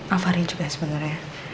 afari juga sebenernya